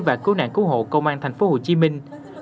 và cứu nạn cứu hộ công an thành phố hồ chí minh